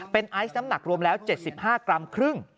เป็นไอซ์น้ำหนักรวมแล้ว๗๕กรัมครึ่ง